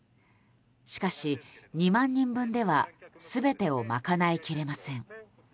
しかし、２万人分では全てをまかないきれません。